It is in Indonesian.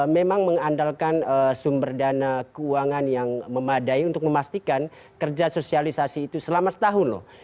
memang mengandalkan sumber dana keuangan yang memadai untuk memastikan kerja sosialisasi itu selama setahun loh